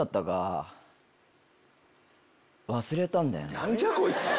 何じゃ⁉こいつ！